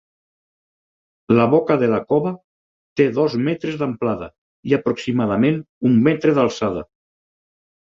La boca de la cova té dos metres d'amplada i aproximadament un metre d'alçada.